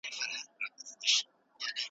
ځیني خلګ لارښود ته د مشر کلمه هم کاروي.